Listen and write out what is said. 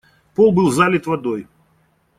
Пол был залит водой.